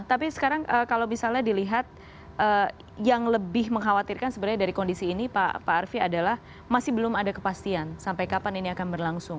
tapi sekarang kalau misalnya dilihat yang lebih mengkhawatirkan sebenarnya dari kondisi ini pak arfi adalah masih belum ada kepastian sampai kapan ini akan berlangsung